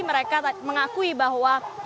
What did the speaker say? mereka mengakui bahwa